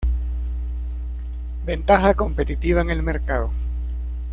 Ventaja competitiva en el mercado.